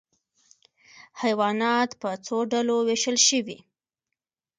حیوانات په څو ډلو ویشل شوي؟